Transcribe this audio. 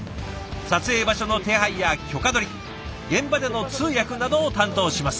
撮影場所の手配や許可取り現場での通訳などを担当します。